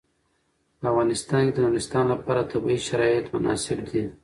په افغانستان کې د نورستان لپاره طبیعي شرایط مناسب دي.